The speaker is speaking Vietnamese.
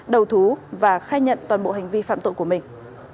đầu thú và khai nhận toàn bộ hành vi phạm tội của mình